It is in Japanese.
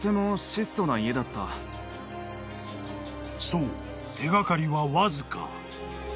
［そう手がかりはわずか］